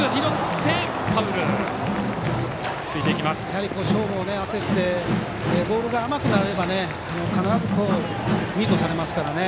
やはり、勝負を焦ってボールが甘くなれば必ず、ミートされますからね。